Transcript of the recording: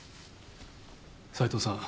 斎藤さん